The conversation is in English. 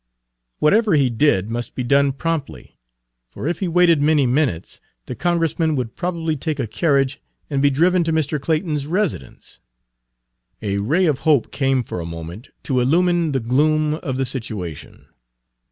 Whatever he did must be done promptly; for if he waited many minutes the Congressman would probably take a carriage and be driven to Mr. Clayton's residence. Page 118 A ray of hope came for a moment to illumine the gloom of the situation.